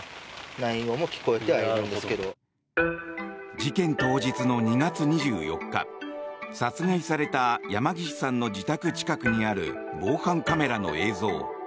事件当日の２月２４日殺害された山岸さんの自宅近くにある防犯カメラの映像。